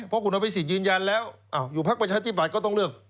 เพราะคุณอภิษฐิ์ยืนยันแล้วอยู่ภักร์ประชาติปรัสก็ต้องเลือก